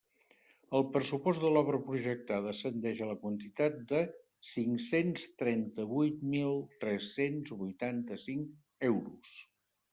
El pressupost de l'obra projectada ascendeix a la quantitat de cinc-cents trenta-vuit mil tres-cents vuitanta-cinc euros.